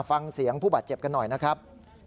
ฟังเสียงผู้บาดเจ็บกันหน่อยนะครับ